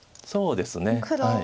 そうですね。